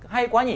hay quá nhỉ